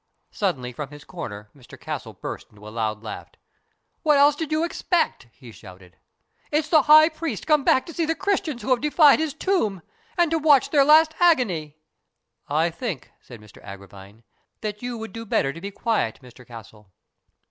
Suddenly from his corner Mr Castle burst into a loud laugh. "What else did you expect?" he shouted. " It is the high priest come back to see the Christians who have defiled his tomb, and to watch their last agony." " 1 think," said Mr Agravine, " that you would do better to be quiet, Mr Castle."